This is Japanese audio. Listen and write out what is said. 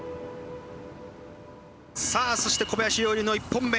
さあそして小林陵侑の１本目。